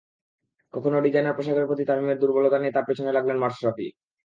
কখনো ডিজাইনার পোশাকের প্রতি তামিমের দুর্বলতা নিয়ে তাঁর পেছনে লাগলেন মাশরাফি।